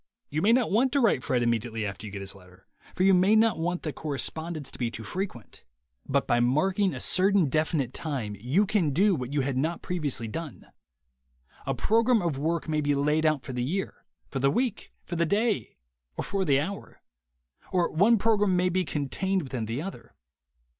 You may not want to write Fred immediately after you get his letter, for you may not want the correspondence to be too frequent. But by marking a certain definite time you can do what you had not previously done. A program of work may be laid out for the year, for the week, for the day or for the hour; or one program may be contained within the other.